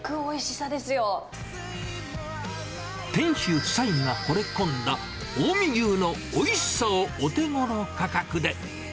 店主夫妻がほれ込んだ、近江牛のおいしさをお手ごろ価格で。